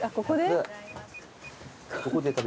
ここで？